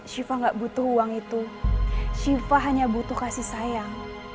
syifa gak butuh uang itu syifa hanya butuh kasih sayang